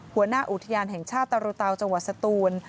หัวหน้าอุทยานแห่งชาติตรูเตาจังหวัดสตูน